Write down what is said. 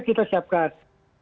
apa yang harus disiapkan